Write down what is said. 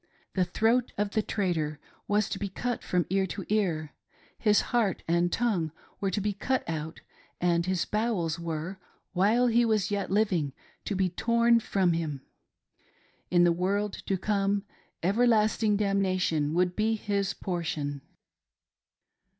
— The throat of the traitor was to be cut from ear to ear ; his heart and tongue were to be cut out ; and his bowels were — while he was yet living — to be torn from him. In the world to come, everlasting damnation would be his portion.